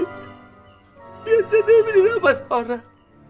perhiasan debi dirampas orang